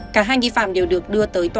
cả hai nghi phạm đều được đưa tới tòa